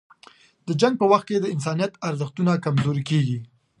د جنګ په وخت کې د انسانیت ارزښتونه کمزوري کېږي.